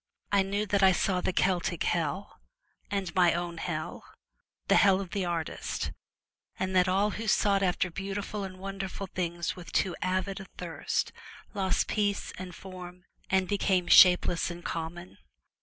I knew that I saw the Celtic Hell, and my own Hell, the Hell of the artist, and that all who sought after beautiful and wonderful things with too 167 The avid a thirst, lost peace and form and Twilight, became shapeless and common.